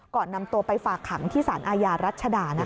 นำตัวไปฝากขังที่สารอาญารัชดา